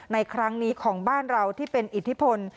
ในครั้งนี้ของบ้านเราที่เป็นอิทธิพล